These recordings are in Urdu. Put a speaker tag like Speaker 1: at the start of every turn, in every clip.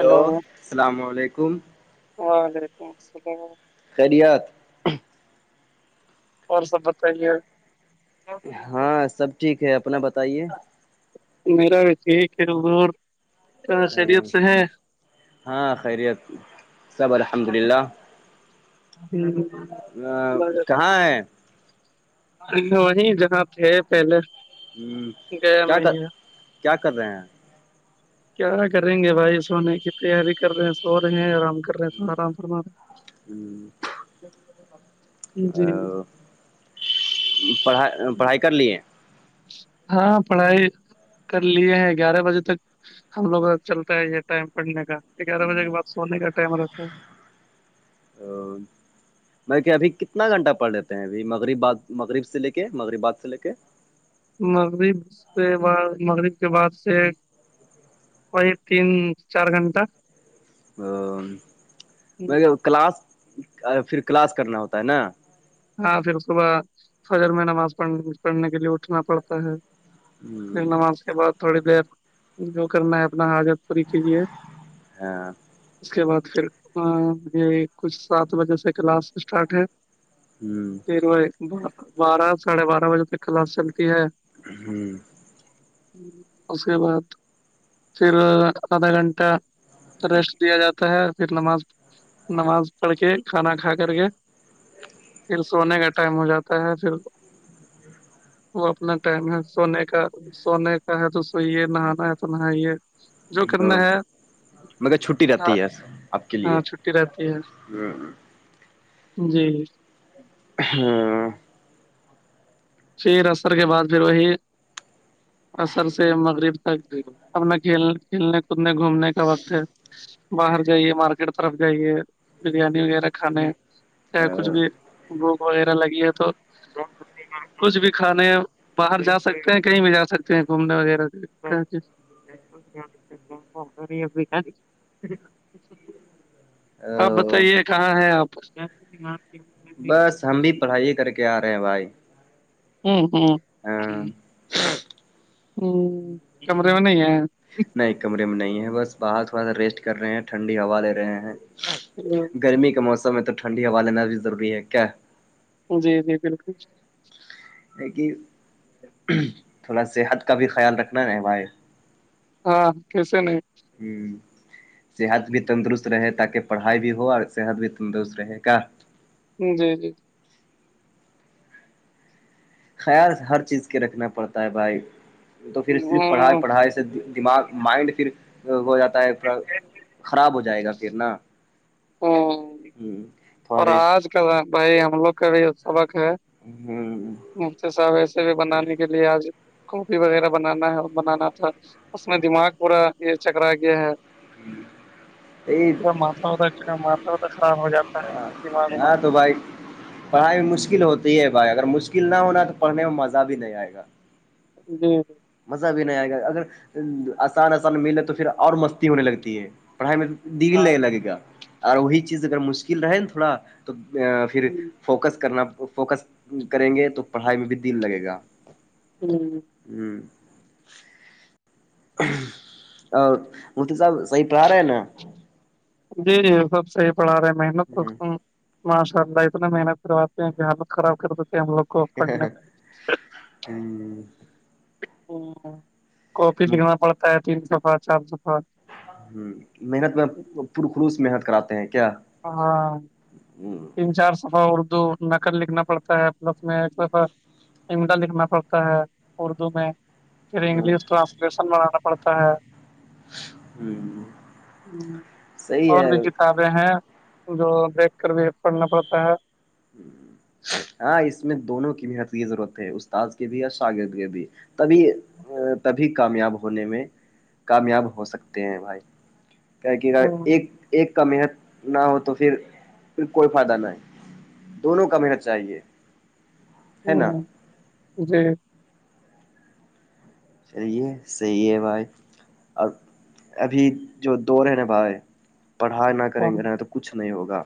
Speaker 1: ہلو
Speaker 2: سلام علیکم
Speaker 1: وعلیکم سلام
Speaker 2: خیریت
Speaker 1: اور سب بتائیے
Speaker 2: ہاں سب ٹھیک ہے اپنا بتائیے
Speaker 1: میرا بھی ٹھیک ہے حضور
Speaker 2: ہم ہاں خیریت سب الحمدلللہ
Speaker 1: [unintelligible]
Speaker 2: ہاں کہاں ہے
Speaker 1: ۔ [unintelligible] جہاں تھے پہلے
Speaker 2: ہم
Speaker 1: گیا
Speaker 2: کیا
Speaker 1: میں
Speaker 2: کر کیا کر رہے ہیں
Speaker 1: کیا کریں گے بھائی سونے کی تیاری کر رہے ہیں سو رہے ہیں آرام کر رہے ہیں تو آرام فرما رہے
Speaker 2: ہم
Speaker 1: [unintelligible]
Speaker 2: ۔ [unintelligible] پڑھائی پڑھائی کر لیے
Speaker 1: ہاں پڑھائی کر لیے ہیں گیارہ بجے تک ہم لوگ کا چلتا ہے یہ ٹائم پڑھنے کا گیارہ بجے کے بعد سونے کا ٹائم رہتا ہے
Speaker 2: ہاں میں کیا ابھی کتنا گھنٹہ پڑھ لیتے ہیں ابھی مغرباد مغرب سے لے کے مغرباد سے لے کے
Speaker 1: مغرب سے بعد مغرب کے بعد سے وہی تین چار گنٹا
Speaker 2: ۔ [unintelligible] کلاس پھر کلاس کرنا ہوتا ہے نا
Speaker 1: ہاں پھر صبح فجر میں نماز پڑھ پڑھنے کے لیے اٹھنا پڑتا ہے پھر نماز کے بعد تھوڑی دیر جو کرنا ہے اپنا حاجت [unintelligible] [inaudible]
Speaker 2: ہاں
Speaker 1: اس کے بعد پھر [unintelligible] کچھ سات بجے سے کلاس سٹارٹ ہے
Speaker 2: ہم
Speaker 1: پھر وہی بارہ ساڑھے بارہ بجے تک خلاس چلتی ہے
Speaker 2: ہم
Speaker 1: ۔ [inaudible] اس کے بعد پھر آدھا گھنٹہ ریسٹ دیا جاتا ہے پھر نماز نماز پڑھ کے کھانا کھا کر کے
Speaker 2: ا
Speaker 1: پھر سونے کا ٹائم ہو جاتا ہے پھر وہ اپنا ٹائم ہے سونے کا سونے کا ہے تو سوئیے نہانا ہے تو نہائیے جو کرنا
Speaker 2: ہ ہ
Speaker 1: ہے
Speaker 2: مگر چھٹی
Speaker 1: ہاں
Speaker 2: رہتی ہے آپ کے لیے
Speaker 1: ہاں چھٹی رہتی ہے جی
Speaker 2: ہاں
Speaker 1: شیر عصر کے بعد پھر وہی عصر سے مغرب تک اپنا کھیل کھیلنے کودنے گھومنے کا وقت ہے باہر جائیے مارکیٹ طرف جائیے بریانی وغیرہ کھانے چاہے کچھ بھی بھوک وغیرہ لگی ہے تو کچھ بھی کھانے باہر جا سکتے ہیں کہیں بھی جا سکتے ہیں گھومنے وغیرہ [inaudible] آپ بتائیے کہاں ہے آپ
Speaker 2: بس ہم بھی پڑھائی کر کے آ رہے ہیں بھائی
Speaker 1: ہوں
Speaker 2: ہاں
Speaker 1: کمرے میں نہیں ہے
Speaker 2: نہیں کمرے میں نہیں ہے بس باہر تھوڑا سا ریسٹ کر رہے ہیں ٹھنڈی ہوا لے رہے ہیں
Speaker 1: ا
Speaker 2: گرمی کے موسم میں تو ٹھنڈی ہوا لینا بھی ضروری ہے کیا
Speaker 1: جی جی بالکل
Speaker 2: ہے کہ تھوڑا صحت کا بھی خیال رکھنا ہے بھائی
Speaker 1: ہاں کیسے نہیں
Speaker 2: [unintelligible] صحت بھی تندرست رہے تاکہ پڑھائی بھی ہو اور صحت بھی تندرست رہے گا
Speaker 1: جی جی
Speaker 2: خیال ہر چیز کے رکھنا پڑتا ہے بھائی تو پھر صرف پڑھائی
Speaker 1: ہوں
Speaker 2: پڑھائی سے دماغ مائنڈ پھر ہو جاتا ہے پورا خراب ہو جائے گا پھر نا
Speaker 1: ہوں اور
Speaker 2: فارسٹ
Speaker 1: آج بھائی ہم لوگ کا بھی سبق ہے
Speaker 2: [inaudible]
Speaker 1: مفت سا ویسے بھی بنانے کے لیے آج کافی وغیرہ بنانا ہے بنانا تھا اس میں دماغ پورا یہ چکرا گیا ہے مھتا خراب ہو جاتا ہے دماغ
Speaker 2: ہاں
Speaker 1: وماغ
Speaker 2: ہاں تو بھائی پڑھائی مشکل ہوتی ہے بھائی اگر مشکل نہ ہونا تو پڑھنے میں مزہ بھی نہیں آئے گا
Speaker 1: جی جی
Speaker 2: مزہ بھی نہیں آئے گا اگر آسان آسان ملے تو پھر اور مستی ہونے لگتی ہے پڑھائی میں دل
Speaker 1: ہاں
Speaker 2: نہیں لگے گا اور وہی چیز اگر مشکل رہے نا تھوڑا تو پھر
Speaker 1: ہوں،
Speaker 2: فوکس کرنا فوکس کریں گے تو پڑھائی میں بھی دل لگے گا
Speaker 1: [inaudible]
Speaker 2: [unintelligible] اور مفتی صاحب صحیح پڑھا رہے ہیں نا
Speaker 1: جی جی سب صحیح پڑھا رہے ہیں محنت رتا ہوں ماشاء اللہ اتنا محنت کرواتے ہیں کہ حالت خراب کر دیتے ہیں ہم لوگ کو پڑھنے میں
Speaker 2: [unintelligible]
Speaker 1: کاپی لکھنا پڑتا ہے تین صفہ چار صفہ
Speaker 2: محنت میں پر خلوص محنت کراتے ہیں کیا
Speaker 1: ہاں
Speaker 2: ہ
Speaker 1: تین چار صفعہ اور دو نقل لکھنا پڑتا ہے صفحہ میں دفہ لکھنا پڑتا ہے اردو میں پھر
Speaker 2: ہ
Speaker 1: انگلش ٹرانسلیشن بنانا پڑتا ہے
Speaker 2: صحیح
Speaker 1: اور بھی
Speaker 2: ہے
Speaker 1: کتاب ہیں جو دیکھ کر بھی پڑنا پڑتا ہے
Speaker 2: ہاں اس میں دونوں کی بھی ضرورت ہے استاد کے بھی اور شاگرد کے بھی تبھی تبھی کامیاب ہونے میں کامیاب ہو سکتے ہیں بھائی کیا ہے کہ اگر
Speaker 1: ہوں،
Speaker 2: ایک ایک کا محنت نہ ہو تو پھر پھر کوئی فائدہ نہیں ہے دونوں کا محنت چاہیے ہے نا
Speaker 1: ہاں جی
Speaker 2: چلیے صحیح ہے بھائی ابھی جو دور ہیں نا بھائی پڑھائی نہ کریں
Speaker 1: ہاں،
Speaker 2: گے نا تو کچھ نہیں ہوگا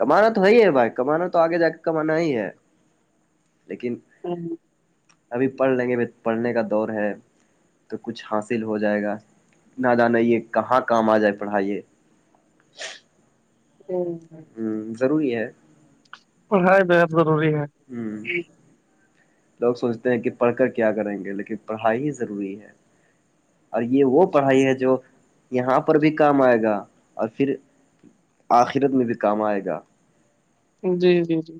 Speaker 2: کمانا تو ہے ہی ہے بھائی کمانا تو آگے جا کے کمانا ہی ہے لیکن
Speaker 1: ہوں
Speaker 2: ابھی پڑھ لیں گے پڑھنے کا دور ہے تو کچھ حاصل ہو جائے گا نہ جانے یہ کہاں کام آ جائے پڑھائی یہ
Speaker 1: [inaudible] [inaudible]
Speaker 2: ضروری ہے
Speaker 1: پڑھائی بے حد ضروری ہے
Speaker 2: [inaudible] لوگ سوچتے ہیں کہ پڑھ کر کیا کریں گے لیکن پڑھائی ہی ضروری ہے اور یہ وہ پڑھائی ہے جو یہاں پر بھی کام آئے گا اور پھر آخرت میں بھی کام آئے گا
Speaker 1: جی جی جی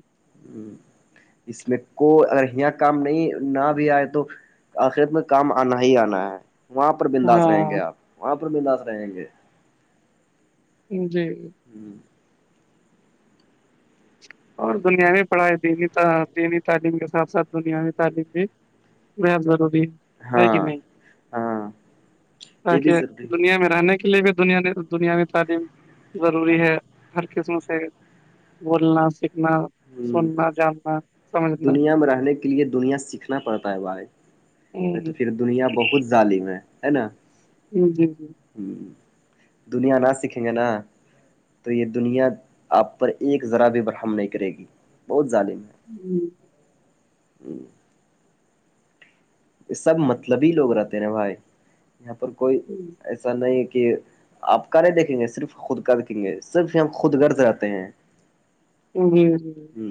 Speaker 2: اس میں کو اگر یہاں کام نہیں نہ بھی آئے تو آخرت میں کام آنا ہی آنا ہے وہاں پر بنداس رہیں گے
Speaker 1: ہاں
Speaker 2: آپ وہاں پر بنداس رہیں گے
Speaker 1: جی
Speaker 2: ہوں
Speaker 1: اور دنیاوی پڑھائی دینی دینی تعلیم کے ساتھ ساتھ دنیاوی تعلیم بھی بے ہد ضروری ہے کہ
Speaker 2: ہاں
Speaker 1: نہیں
Speaker 2: ہاں یہ بھی
Speaker 1: تاکہ
Speaker 2: ضروری
Speaker 1: دنیا میں رہنے کے لیے بھی دنیا دنیاوی تعلیم ضروری ہے ہر قسم سے بولنا سیکھنا
Speaker 2: ہ
Speaker 1: سننا جاننا سمجھنا
Speaker 2: دنیا میں رہنے کے لیے دنیا سیکھنا پڑتا ہے بھائی میں تو
Speaker 1: ہ
Speaker 2: پھر دنیا بہت ظالم ہے ہے نا
Speaker 1: جی جی جی
Speaker 2: دنیا نہ سیکھیں گے نا تو یہ دنیا آپ پر ایک ذرا بھی برہم نہیں کرے گی بہت ظالم ہے
Speaker 1: ہوں
Speaker 2: یہ سب مطلبی لوگ رہتے نا بھائی یہاں پر کوئی ایسا نہیں کہ آپ کے دیکھیں گے صرف خود کا دیکھیں گے صرف ہی ہم خود گرد رہتے ہیں
Speaker 1: ج جی
Speaker 2: ہ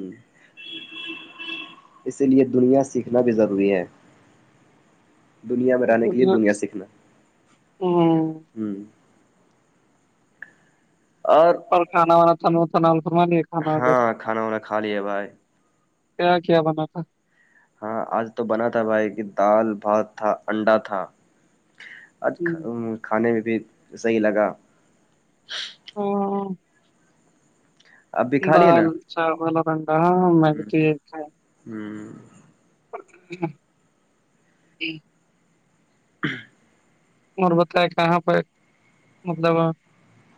Speaker 2: اسی لیے دنیا سیکھنا بھی ضروری ہے دنیا میں رہنے کے لیے دنیا سیکھنا
Speaker 1: ہوں
Speaker 2: ہ اور
Speaker 1: اور کھا وانا تھانوانا س
Speaker 2: ہاں کھانا وانا کھا لیا بھائی
Speaker 1: کیا کیا بنا تھا
Speaker 2: ہاں آج تو بنا تھا بھائی کی دال بھات تھا انڈا تھا اج کھانے میں بھی صحیح لگا
Speaker 1: ہ
Speaker 2: اب بھی کھا ل ہے نا
Speaker 1: چاغول پڈا میدک
Speaker 2: ہوں
Speaker 1: جی
Speaker 2: [inaudible]
Speaker 1: اور بتائے کہاں پہ مطلب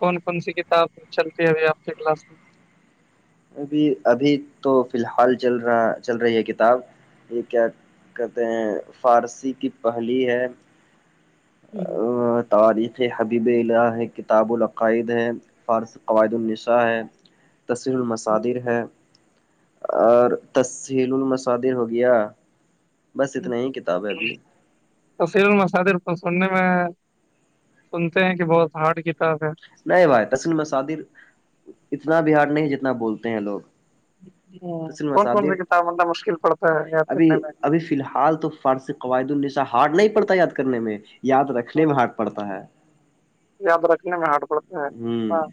Speaker 1: کون کون سی کتاب چلتی ہے ابھی آپ کی کلاس میں
Speaker 2: ابھی ابھی تو فی الحال چل رہا چل رہی ہے کتاب یہ کیا کہتے ہیں فارسی کی پہلی ہے
Speaker 1: ہی
Speaker 2: تاریخ حبیب ال ہے کتاب العقائد ہے فارض قواعد النساں ہے تسہیر
Speaker 1: ہوں،
Speaker 2: المصادر ہے اور تسل المسادر ہو گیا بس اتنا ہی کتاب ہے ابھی
Speaker 1: تسیول مسادر پسند ہے سنتے ہیں کہ بہت ہارڈ کتاب ہے
Speaker 2: نہیں بھائی تسل مصادر اتنا بہار نہیں جتنا بولتے ہیں لوگ
Speaker 1: ہ
Speaker 2: تسل
Speaker 1: کون کون سی
Speaker 2: مسادر
Speaker 1: کتاب مطلب مشکل پڑتا ہے یاد
Speaker 2: ابھی
Speaker 1: کرنے میں
Speaker 2: ابھی فی الحال تو فارسی قوعد النسا ہار نہیں پڑتا یاد کرنے میں یاد رکھنے
Speaker 1: ہوں،
Speaker 2: میں ہارڑ پڑتا ہے
Speaker 1: یاد رکھنے میں ہارٹ پڑتا ہے
Speaker 2: ہوں
Speaker 1: ہاں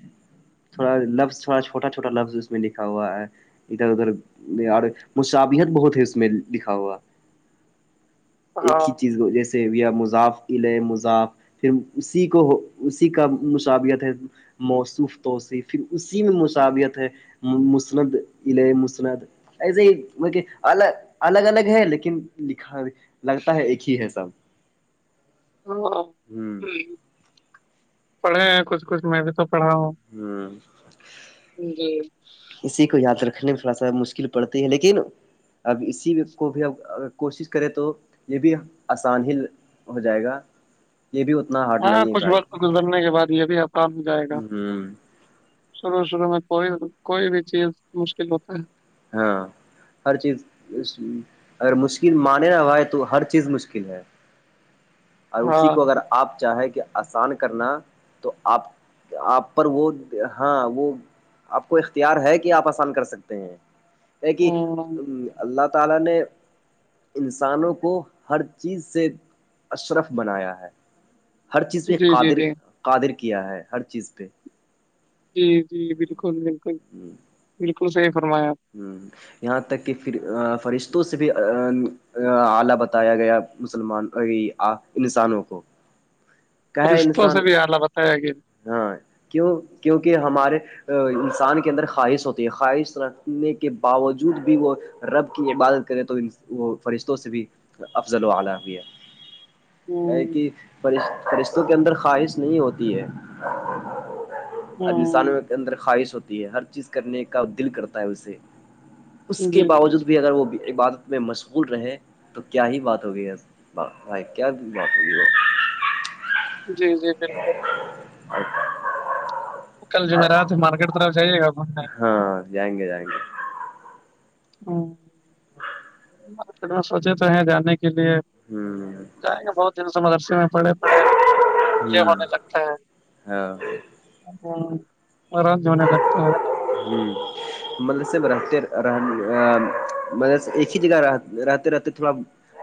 Speaker 2: تھوڑا لفظ تھوڑا چھوٹا چھوٹا لفظ اس میں لکھا ہوا ہے ادھر ادھر اور مصابیت بہت ہے اس میں لکھا ہوا
Speaker 1: [inaudible]
Speaker 2: ایک ہی چیز کو جیسے ویا مزاف الے مذاف پھر اسی کو اسی کا مشابت ہے موصف توسیعف پھر اسی میں مشابہت ہے مسند الیہ مسند ایسے ہی ب الگ الگ الگ ہے لیکن لکھا لگتا ہے ایک ہی ہے سب ہوں
Speaker 1: پڑھے ہیں کچھ کچھ میں بھی تو پڑھا ہوں
Speaker 2: ہوں
Speaker 1: جی
Speaker 2: اسی کو یاد رکھنے میں تھوڑا سا مشکل پڑتی ہے لیکن اب اسی کو بھی اب ا کوشش کرے تو یہ بھی آسان ہی ہو جائے گا یہ بھی اتنا ہے ہارڈ
Speaker 1: ہاں
Speaker 2: نہیں
Speaker 1: کچھ ب
Speaker 2: بھائی
Speaker 1: گزرنے کے بعد یہ بھی آپ کام جائے گا
Speaker 2: ہوں
Speaker 1: شروع شروع میں کوئی کوئی بھی چیز مشکل ہوتا ہے
Speaker 2: ہاں ہر چیز اگر مشکل مان نہ ہوائے تو ہر چیز مشکل ہے
Speaker 1: [inaudible]
Speaker 2: اور اسی کو اگر آپ چاہیں کہ آسان کرنا تو آپ آپ پر وہ ہاں وہ آپ کو اختیار ہے کہ آپ آسان کر سکتے ہیں ہے کہ
Speaker 1: ہ
Speaker 2: اللہ تعالی نے انسانوں کو ہر چیز سے اشرف بنایا ہے ہر چیز پہ
Speaker 1: جی جی
Speaker 2: قادر
Speaker 1: جی
Speaker 2: قادر کیا ہے ہر چیز پہ
Speaker 1: جی جی بالکل بالکل بالکل صحیح فرمایاپ
Speaker 2: ہ یہاں تک کہ پھر فرشتوں سے بھی آلہ بتایا گیا مسلمان انسانوں کو کیا ہے
Speaker 1: فرشتوں سے
Speaker 2: انسان
Speaker 1: بھی آعلہ بتایا گی
Speaker 2: ہاں کیوں کیونکہ ہمارے انسان کے اندر خواہش ہوتی ہے خواہش رکھنے کے باوجود بھی وہ رب کی عبادت کریں تو وہ فرشتوں سے بھی افضل و اعلی بھی ہے ہے
Speaker 1: ہ
Speaker 2: کہ فرشتوں کے اندر خواہش نہیں ہوتی ہے اب
Speaker 1: ہ
Speaker 2: انسانوں کے اندر خواہش ہوتی ہے ہر چیز کرنے کا دل کرتا ہے اسے اس
Speaker 1: جی
Speaker 2: کے باوجود بھی اگر وہ ب میں مشغول رہے تو کیا ہی بات ہوگی بھائی کیا بات ہوگی وہ
Speaker 1: جی جی بلکل
Speaker 2: اھا
Speaker 1: کل جو میںیر رہا مارکیٹ طرف جائیے گا گھوم ہے
Speaker 2: ہاں جائیں گے جائیں گے
Speaker 1: ہاں مارکیٹ میں سوچے تو ہیں جانے کے لیے
Speaker 2: ہوں
Speaker 1: جائیں گے بہت دن سے مدرسے میں پڑے پڑے
Speaker 2: ہ ہ
Speaker 1: یہ ہونے لگتے ہیں
Speaker 2: ہاں
Speaker 1: آرام جو ہونے لگتا ہے
Speaker 2: ہ مطلب سب رہتے مطل ایک ہی جگہ رہتے رہتے تھوڑا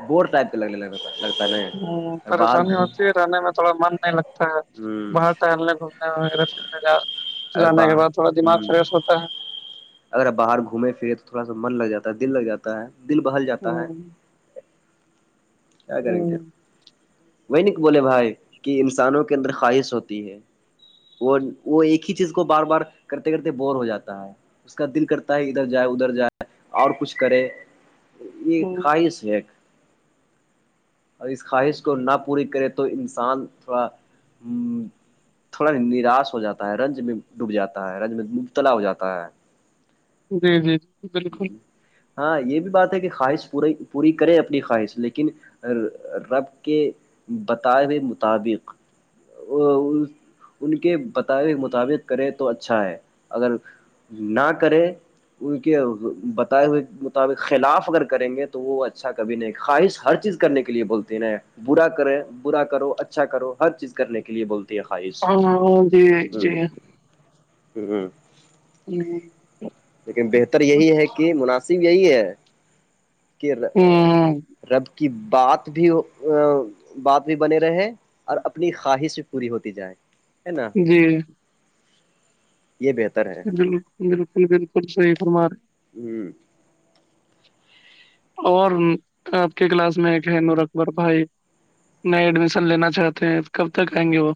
Speaker 2: بور ٹائپ کے لگ ل لگتا ہے ن
Speaker 1: ہ
Speaker 2: اور باہر
Speaker 1: پریشانی
Speaker 2: گھوم
Speaker 1: ہوتی ہے رہنے میں تھوڑا من نہیں لگتا ہے
Speaker 2: ہ
Speaker 1: باہر ٹہلنے کو وغہ پھرنے
Speaker 2: اگر
Speaker 1: جانے کے
Speaker 2: باہر
Speaker 1: بعد تھوڑا دماغ
Speaker 2: ہ
Speaker 1: فریش ہوتا ہے
Speaker 2: اگر باہر گھومے پھرے تو تھوڑا سا من لگ جاتا ہے دل لگ جاتا ہے دل بہل جاتا ہے
Speaker 1: ہوں،
Speaker 2: کیا کریں گے
Speaker 1: ہوں،
Speaker 2: وہ نک بولے بھائی کہ انسانوں کے اندر خواہش ہوتی ہے وہ وہ ایک ہی چیز کو بار بار کرتے کرتے بور ہو جاتا ہے اس کا دل کرتا ہے ادھر جائے ادھر جائے اور کچھ کرے یہ
Speaker 1: ہوں،
Speaker 2: خواہش ہے اور اس خاہ کو نہ پوری کرے تو انسان تھوڑا تھوڑا نراش ہو جاتا ہے رنج میں ڈوب جاتا ہے رنج میں مبتلا ہو جاتا ہے
Speaker 1: جی جی جی بالکل
Speaker 2: ہاں یہ بھی بات ہے کہ خواہش پوری پوری کرے اپنی خواہش لیکن رب کے بتا ہوئے مطابق ان کے بتا مطابق کرے تو اچھا ہے اگر نہ کرے ان بتائے ہوئے مطابق خلاف اگر کریں گے تو وہ اچھا کبھی نہیں خواہش ہر چیز کا کرنے کے لیے بولتے نا برا کریں برا کرو اچھا کرو ہر چیز کرنے کے لیے بولتے
Speaker 1: ہاں جی جی
Speaker 2: ہ ہ
Speaker 1: جی
Speaker 2: لیکن بہتر یہی ہے کہ مناسب یہی ہے کہ
Speaker 1: ہ
Speaker 2: رب کی بات بھی بات بھی بنے رہے اور اپنی خواہش بھی پوری ہوتی جائے ہے نا
Speaker 1: جی
Speaker 2: یہ بہتر ہے
Speaker 1: بالکل بالکل بالکل صحیح فرما رہے
Speaker 2: ہ
Speaker 1: جی اور آپ کے کلاس میں ایک ہے نور اکبر بھائی نئے ایڈمیشن لینا چاہتے ہیں کب تک آئیں گے وہ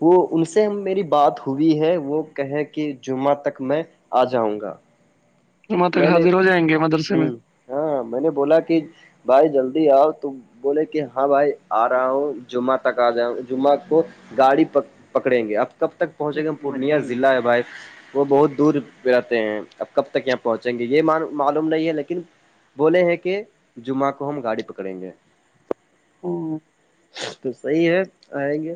Speaker 2: وہ ان سے ہم میری بات ہوئی ہے وہ کہیں کہ جمعہ تک میں آ جاؤں گا
Speaker 1: جمعہ تک
Speaker 2: میں نے
Speaker 1: حاضر ہو جائیں گے مدرسے
Speaker 2: ہ
Speaker 1: میں
Speaker 2: ہاں میں نے بولا کہ بھائی جلدی آؤ ت بولے کہ ہاں بھائی آ رہا ہوں جمعہ تک آ جاؤ جمعہ کو گاڑی پکڑیں گے اب کب تک پہنچے گا پورنیہ ضلع ہے بھائی وہ بہت دور پہ رہتے ہیں اب کب تک یہاں پرہ پہنچیں گے یہ معلوم نہیں ہے لیکن بولے ہیں کہ جمعہ کو ہم گاڑی پکڑیں گے
Speaker 1: ہ
Speaker 2: تو صحیح ہے آئیں گے